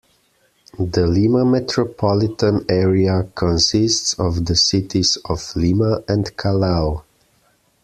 The Lima Metropolitan Area consists of the cities of Lima and Callao.